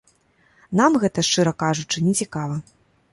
Нам гэта, шчыра кажучы, не цікава.